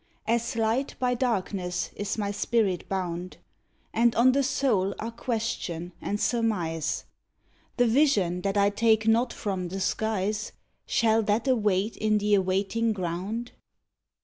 As light by darkness is my spirit bound, And on the soul are question and surmise: The vision that I take not from the skies, Shall that await in the awaiting ground?